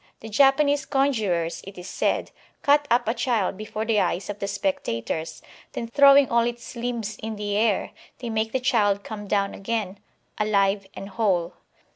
The Japanese conjurers, it is said, cut up a child before the eyes of the spectators; then, throwing all its limbs into the air, they make the child come down again alive and whole.